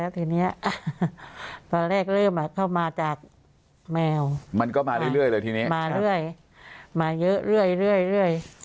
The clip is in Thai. ตอนแรกเข้ามาจากแมวมาเรื่อย